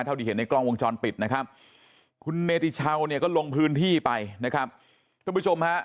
เท่าที่เห็นในกล้องวงชนปิดนะครับคุณเมธิเช่าเนี่ยก็ลงพื้นที่ไปนะครับ